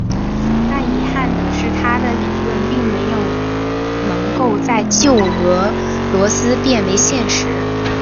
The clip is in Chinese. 但遗憾的是他的理论并没有能够在旧俄罗斯变为现实。